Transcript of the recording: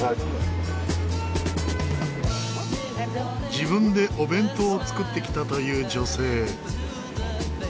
自分でお弁当を作ってきたという女性。